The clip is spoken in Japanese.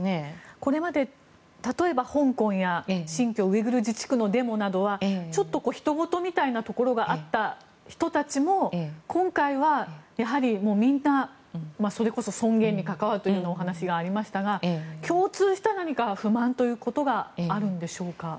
これまで例えば、香港や新疆ウイグル自治区のデモなどはちょっとひと事みたいなところがあった人たちも今回はやはりみんなそれこそ尊厳に関わるというようなお話がありましたが共通した何か、不満ということがあるんでしょうか。